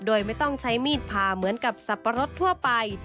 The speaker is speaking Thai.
โดยไม่ต้องใช้มีดผ่าเหมือนกับสับปะรดทั่วไป